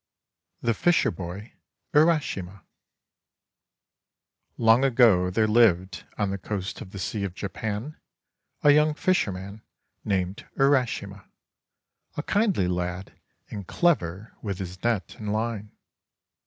THE FISHER BOY URASHIMA Long ago there lived, on the coast of the Sea of Ja pan, a young fisherman named Urashima, a kindly lad and clever with his net and line.